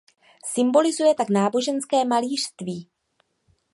Symbolizuje tak náboženské malířství.